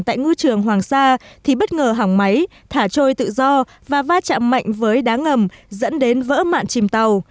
tại ngư trường hoàng sa thì bất ngờ hỏng máy thả trôi tự do và va chạm mạnh với đá ngầm dẫn đến vỡ mạn chìm tàu